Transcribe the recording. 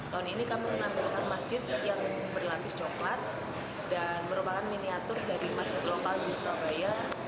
tahun ini kami menampilkan masjid yang berlapis coklat dan merupakan miniatur dari masjid global di surabaya